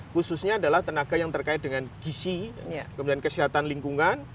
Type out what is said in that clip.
khususnya adalah tenaga yang terkait dengan gisi kemudian kesehatan lingkungan